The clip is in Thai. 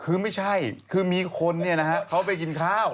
คือไม่ใช่คือมีคนเขาไปกินข้าว